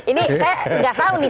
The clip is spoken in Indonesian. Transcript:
ini saya nggak tahu nih